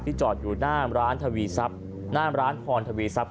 ที่จอดอยู่หน้าอำราณธวีซับ